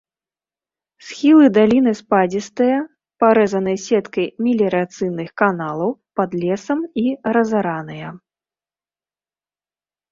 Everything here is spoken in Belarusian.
Схілы даліны спадзістыя, парэзаныя сеткай меліярацыйных каналаў, пад лесам і разараныя.